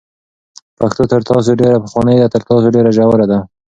پښتو تر تاسو ډېره پخوانۍ ده، تر تاسو ډېره ژوره ده،